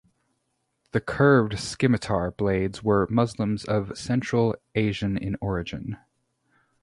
The curved scimitar blades were Muslims of Central Asian in origin.